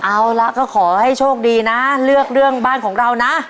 เอาละก็ขอให้โชคดีนะเลือกเรื่องบ้านของเรานะ